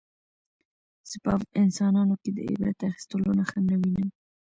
زه په انسانانو کې د عبرت اخیستلو نښه نه وینم